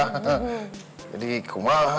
jadi kumar ya